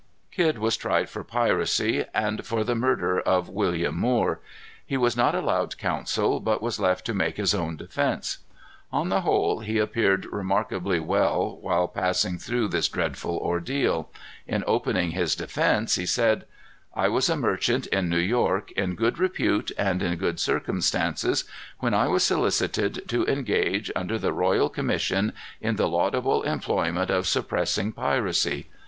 Kidd was tried for piracy, and for the murder of William Moore. He was not allowed counsel, but was left to make his own defence. On the whole, he appeared remarkably well while passing through this dreadful ordeal. In opening his defence, he said: "I was a merchant in New York, in good repute and in good circumstances, when I was solicited to engage, under the royal commission, in the laudable employment of suppressing piracy.